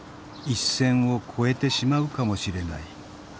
一線を越えてしまうかもしれない。